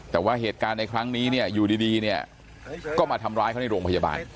แต่ว่าเหตุการณ์ในครั้งนี้เนี่ยอยู่ดีเนี่ยก็มาทำร้ายเขาในโรงพยาบาล